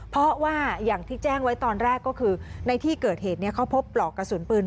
เพราะว่าอย่างที่แจ้งไว้ตอนแรกก็คือในที่เกิดเหตุเขาพบปลอกกระสุนปืน